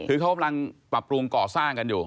คือเขากำลังปรับปรุงก่อสร้างกันอยู่